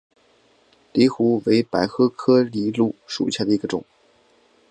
藜芦为百合科藜芦属下的一个种。